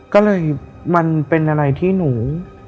ก็เลยมันเป็นอะไรที่หนู